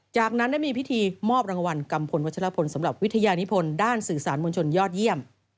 จากนั้นได้มีพิธีมอบรางวัลกัมพลวัชลพลสำหรับวิทยานิพลด้านสื่อสารมวลชนยอดเยี่ยม